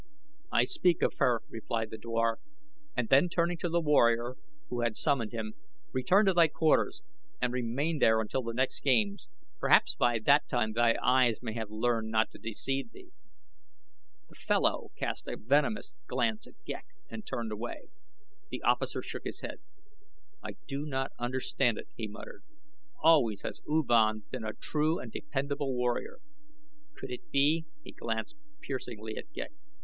"I speak of her," replied the dwar, and then turning to the warrior who had summoned him: "return to thy quarters and remain there until the next games. Perhaps by that time thy eyes may have learned not to deceive thee." The fellow cast a venomous glance at Ghek and turned away. The officer shook his head. "I do not understand it," he muttered. "Always has U Van been a true and dependable warrior. Could it be ?" he glanced piercingly at Ghek.